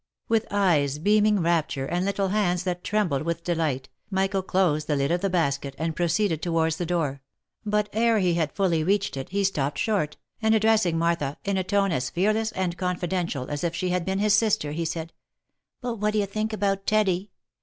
With eyes beaming rapture, and little hands that trembled with delight, Michael closed the lid of the basket, and proceeded to wards the door; but ere he had fully reached it, he stopped short, and addressing Martha, in a tone as fearless and confidential as if she had been his sister, he said, " But what d'ye think about Teddy